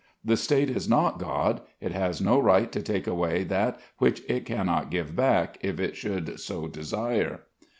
The State is not God. It has no right to take away that which it cannot give back, if it should so desire."